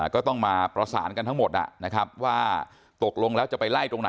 ก็ต้องมาประสานทั้งหมดว่าตกลงแล้วจะไปไล่ตรงไหนก็ดี